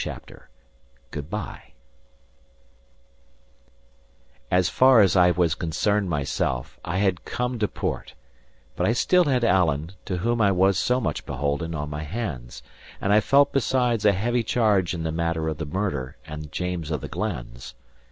CHAPTER XXX GOOD BYE So far as I was concerned myself, I had come to port; but I had still Alan, to whom I was so much beholden, on my hands; and I felt besides a heavy charge in the matter of the murder and James of the Glens.